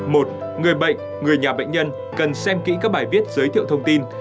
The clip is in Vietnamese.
một người bệnh người nhà bệnh nhân cần xem kỹ các bài viết giới thiệu thông tin